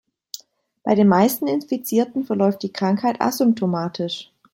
Bei den meisten Infizierten verläuft die Krankheit asymptomatisch.